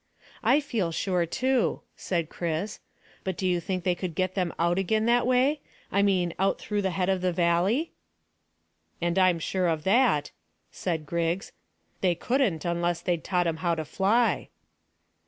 "I feel sure too," said Chris. "But do you think they could get them out again that way I mean, out through the head of the valley?" "And I'm sure of that," said Griggs. "They couldn't unless they taught 'em how to fly."